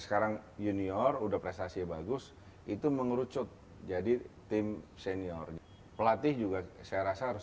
sekarang junior udah prestasi bagus itu mengerucut jadi tim senior pelatih juga saya rasa harus